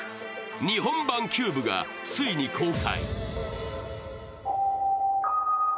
日本版「ＣＵＢＥ」がついに公開。